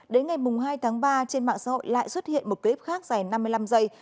đến ngày hai tháng ba trên mạng xã hội lại xuất hiện một clip khác dài năm mươi năm giây